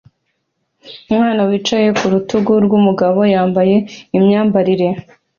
Umwana wicaye ku rutugu rw'umugabo yambaye imyambarire